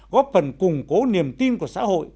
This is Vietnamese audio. góp phần củng cố niềm tin của xã hội